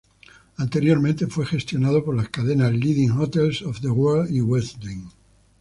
Anteriormente fue gestionado por las cadenas Leading Hotels of the World y Westin.